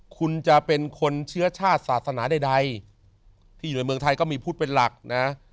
คุณจะเป็นคนเชื้อชาติศาสนาใดที่อยู่ในเมืองไทยก็มีพุทธเป็นหลักนะ